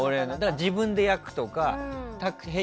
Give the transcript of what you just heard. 自分で焼くとかＨＥＹ！